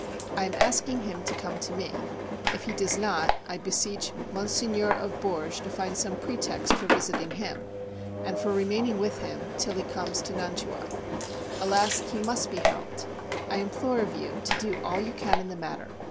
I am asking him to come to me: if he does not, I beseech Mgr. of Bourges to find some pretext for visiting him, and for remaining with him till he comes to Nantua. Alas! he must be helped. I implore of you to do all you can in the matter.